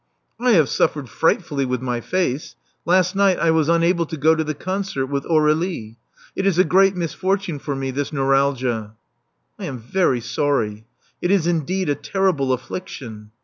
'*I have suffered frightfully with my face. Last night I was unable to go to the concert with Aur^lie. It is a great misfortune for me, this neuralgia." I am very sorry. It is indeed a terrible affliction.